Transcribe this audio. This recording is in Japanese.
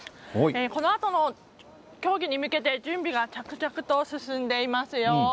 このあとの競技に向けて、準備が着々と進んでいますよ。